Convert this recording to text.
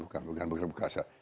bukan bukan bukan berkuasa